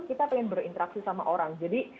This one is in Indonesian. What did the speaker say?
kita ingin berinteraksi sama orang jadi